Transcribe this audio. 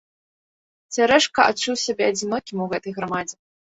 Цярэшка адчуў сябе адзінокім у гэтай грамадзе.